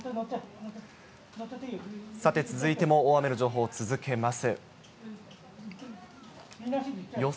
さて、続いても大雨の情報を続けます。